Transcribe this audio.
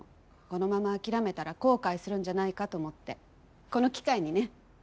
このまま諦めたら後悔するんじゃないかと思ってこの機会にね。